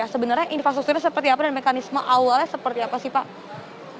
sebenarnya infrastrukturnya seperti apa dan mekanisme awalnya seperti apa sih pak